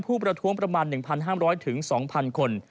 ประท้วงประมาณ๑๕๐๐๒๐๐คน